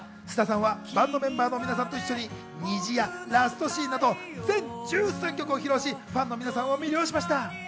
菅田さんはバンドメンバーの皆さんと一緒に『虹』や『ラストシーン』など全１３曲を披露し、ファンの皆さんを魅了しました。